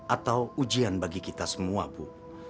atau ujian bagi kita semua bu